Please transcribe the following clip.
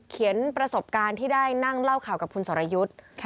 ประสบการณ์ที่ได้นั่งเล่าข่าวกับคุณสรยุทธ์